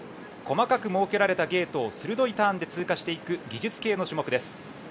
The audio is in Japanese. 細かく設けられたゲートを鋭いターンで通過していく技術系の種目です。